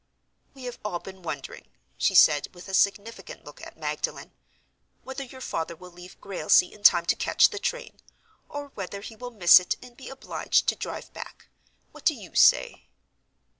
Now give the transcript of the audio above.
"We have all been wondering," she said, with a significant look at Magdalen, "whether your father will leave Grailsea in time to catch the train—or whether he will miss it and be obliged to drive back. What do you say?"